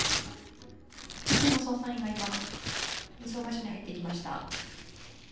複数の捜査員が今、運送会社に入っていきました。